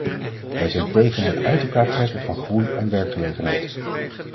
Wij zijn tegen het uit elkaar trekken van groei en werkgelegenheid.